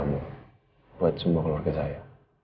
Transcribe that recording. buat semua keluarga saya